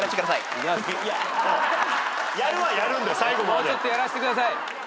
もうちょっとやらせてください。